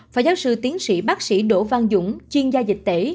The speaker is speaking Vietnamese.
phó giáo sư tiến sĩ bác sĩ đỗ văn dũng chuyên gia dịch tễ